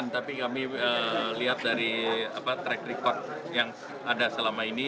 tidak ada titipan tapi kami lihat dari track record yang ada selama ini